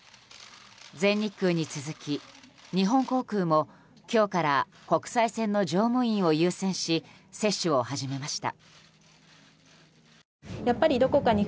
全日空に続き日本航空も今日から国際線の乗務員を優先し接種を始めました。